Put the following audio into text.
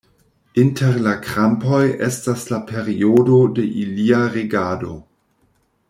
Inter la krampoj estas la periodo de ilia regado.